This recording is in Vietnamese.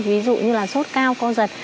ví dụ như là sốt cao co giật